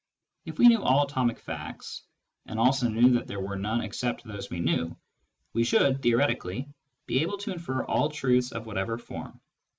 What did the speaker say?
If ' we knew all atomic facts, and also knew that there were none except those we knew, we should, theoretically, be able to infer all truths of whatever form.